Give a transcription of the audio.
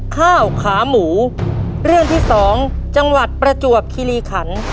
ข้าวขาหมูจ้ะ